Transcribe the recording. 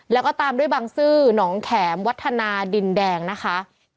แล้วก็ตามด้วยบังซื้อหนองแข็มวัฒนาดินแดงนะคะ